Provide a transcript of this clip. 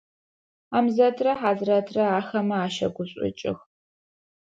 Хьамзэтрэ Хьазрэтрэ ахэмэ ащэгушӏукӏых.